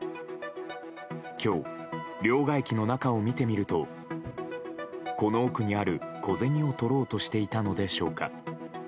今日、両替機の中を見てみるとこの奥にある小銭を取ろうとしていたのでしょうか。